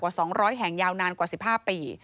๒๐๐แห่งยาวนานกว่า๑๕ปี